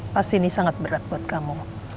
pasti ini sangat berat buat kamu